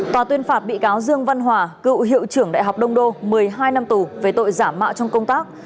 tòa tuyên phạt bị cáo dương văn hòa cựu hiệu trưởng đại học đông đô một mươi hai năm tù về tội giả mạo trong công tác